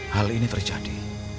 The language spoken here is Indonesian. hal ini terjadi